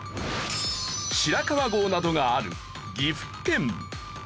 白川郷などがある岐阜県。